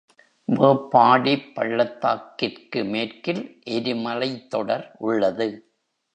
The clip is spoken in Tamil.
வேப்பாடிப் பள்ளத்தாக்கிற்கு மேற்கில் எரிமலைத் தொடர் உள்ளது.